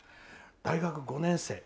大学５年生。